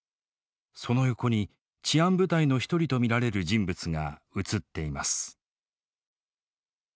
その横に治安部隊の一人と見られる人物が映っています。